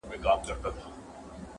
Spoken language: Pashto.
منظور پښتین ته:؛